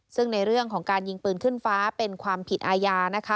ซึ่งในเรื่องของการยิงปืนขึ้นฟ้าเป็นความผิดอาญานะคะ